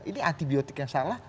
ini antibiotik yang salah